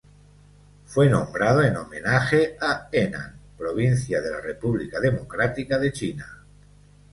Fue nombrado en homenaje a Henan, provincia de la República Democrática de China.